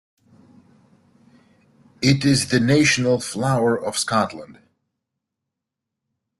It is the national flower of Scotland.